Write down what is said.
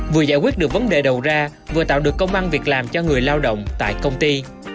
vừa giải quyết được vấn đề đầu ra vừa tạo được công an việc làm cho người lao động tại công ty